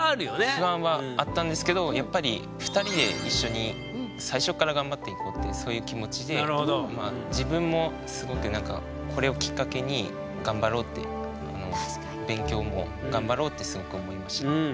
不安はあったんですけどやっぱりってそういう気持ちで自分もすごくこれをきっかけに頑張ろうって勉強も頑張ろうってすごく思いました。